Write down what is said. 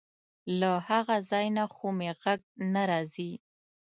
له هغه ځای نه خو مې غږ نه راځي.